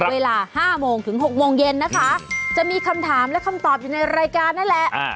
เวลา๕โมงถึง๖โมงเย็นนะคะจะมีคำถามและคำตอบอยู่ในรายการนั่นแหละ